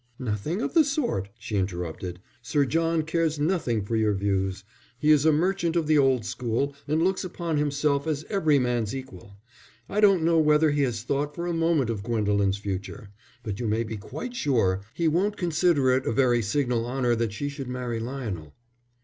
"Nothing of the sort," she interrupted. "Sir John cares nothing for your views. He is a merchant of the old school, and looks upon himself as every man's equal. I don't know whether he has thought for a moment of Gwendolen's future, but you may be quite sure he won't consider it a very signal honour that she should marry Lionel."